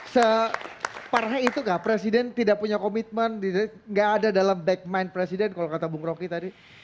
separah itu nggak presiden tidak punya komitmen nggak ada dalam back mind presiden kalau kata bung roky tadi